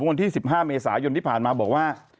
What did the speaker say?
วันที่๑๕เมษายนที่ผ่านมาบอกว่า